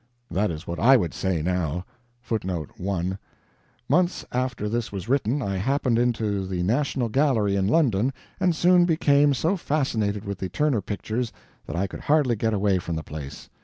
That is what I would say, now. Months after this was written, I happened into the National Gallery in London, and soon became so fascinated with the Turner pictures that I could hardly get away from the place.